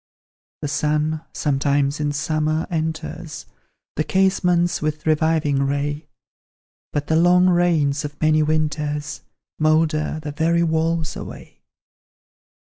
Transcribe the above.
The sun, sometimes in summer, enters The casements, with reviving ray; But the long rains of many winters Moulder the very walls away.